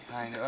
hai nữa là